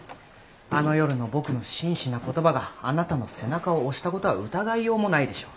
あの夜の僕の真摯な言葉があなたの背中を押したことは疑いようもないでしょう。